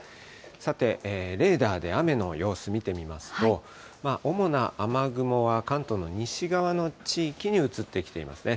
さて、レーダーで雨の様子見てみますと、主な雨雲は関東の西側の地域に移ってきていますね。